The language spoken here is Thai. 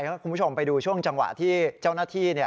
คุณผู้ชมไปดูช่วงจังหวะที่เจ้าหน้าที่